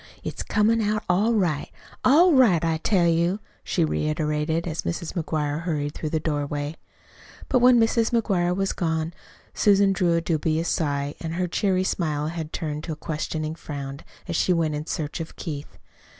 It's comin' out all right all right, I tell you," she reiterated, as Mrs. McGuire hurried through the doorway. But when Mrs. McGuire was gone Susan drew a dubious sigh; and her cheery smile had turned to a questioning frown as she went in search of Keith.